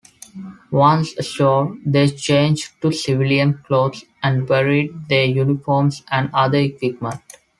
Once ashore, they changed to civilian clothes and buried their uniforms and other equipment.